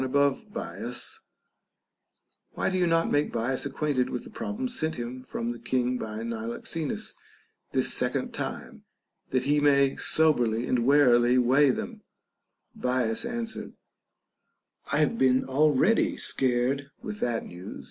above Bias), Why do you not make Bias acquainted with the problems sent him from the King by Niloxenus this second time, that he may soberly and warily weigh them \ Bias answered, I have been already scared with that news.